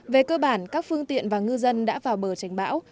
về cơ bản các phương tiện và ngư dân đã vào bờ tránh bão